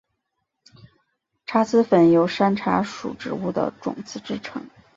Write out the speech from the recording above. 茶籽粉由山茶属植物的种子制成。